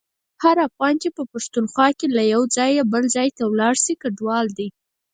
هر افغان چي په پښتونخوا کي له یو ځایه بل ته ولاړشي کډوال دی.